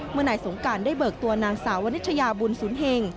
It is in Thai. เมื่อนายสงการได้เบิกตัวนางสาววนิชยาบุญสุนเห็ง